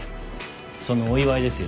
そのお祝いですよ。